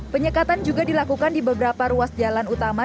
penyekatan juga dilakukan di beberapa ruas jalan utama